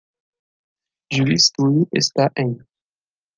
Juiz Tully está em.